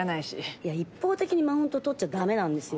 いや一方的にマウント取っちゃダメなんですよ。